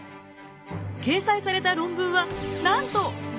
掲載された論文はなんと５１本。